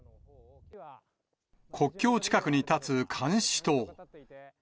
国境近くに建つ監視塔。